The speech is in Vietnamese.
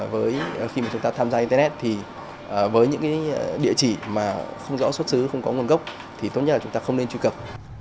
với khi mà chúng ta tham gia internet thì với những địa chỉ mà không rõ xuất xứ không có nguồn gốc thì tốt nhất là chúng ta không nên truy cập